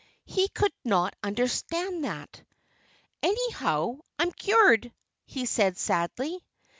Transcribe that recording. He could not understand that. "Anyhow, I'm cured," he said sadly.